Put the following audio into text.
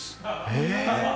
えっ？